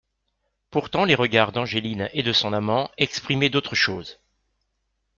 Pourtant les regards d'Angeline et de son amant exprimaient d'autres choses.